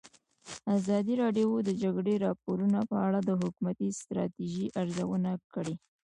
ازادي راډیو د د جګړې راپورونه په اړه د حکومتي ستراتیژۍ ارزونه کړې.